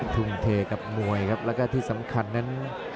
ทุ่มเทกับมวยและที่สำคัญนั้น